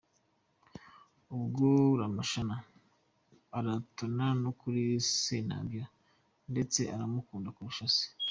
Ubwo Rumashana aratona no kuri Sentabyo, ndetse aramukunda kurusha se.